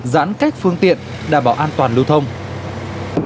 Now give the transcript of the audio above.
giãn cách phương tiện đảm bảo an toàn lưu thông